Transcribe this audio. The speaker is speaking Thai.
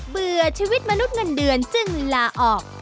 เบื่อชีวิตมนุษย์เงินเดือนจึงลาออก